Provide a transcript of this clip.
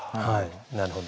なるほど。